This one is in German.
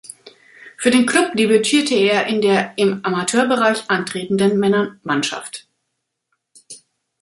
Für den Klub debütierte er in der im Amateurbereich antretenden Männermannschaft.